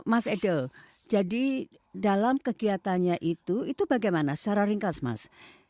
mas edo jadi dalam kegiatannya itu itu bagaimana secara ringkas mas